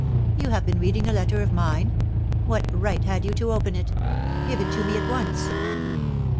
* You have been reading a letter of mine. What right had you to open it ? Give it to me at once.'